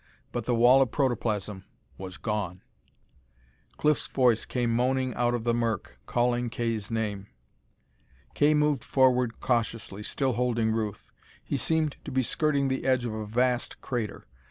But the wall of protoplasm was gone! Cliff's voice came moaning out of the murk, calling Kay's name. Kay moved forward cautiously, still holding Ruth. He seemed to be skirting the edge of a vast crater.